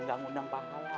nggak ngundang pak kau